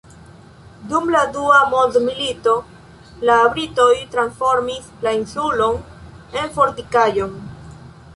Dum la Dua Mondmilito la britoj transformis la insulon en fortikaĵon.